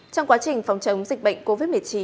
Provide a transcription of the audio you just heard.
trong quá trình phòng chống dịch bệnh covid một mươi chín